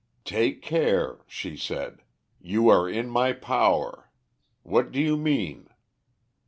"'Take care,' she said, 'you are in my power. What do you mean?'